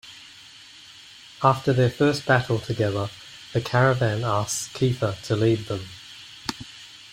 After their first battle together, the Caravan asks Keifer to lead them.